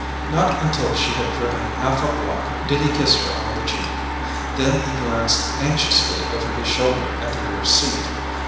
Not until she had driven half a block did he kiss her on the cheek. Then he glanced anxiously over his shoulder at the rear seat.